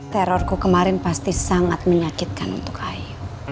terorku kemarin pasti sangat menyakitkan untuk ayu